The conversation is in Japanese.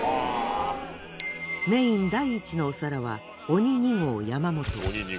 メイン第１のお皿は鬼２号山本。